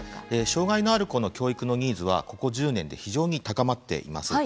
障害のある子の教育のニーズは、ここ１０年で非常に高まっています。